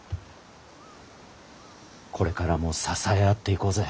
これからも支え合っていこうぜ。